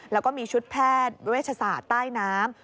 แล้วก็มีชุดแพทย์เวชศาสตร์ใต้น้ำ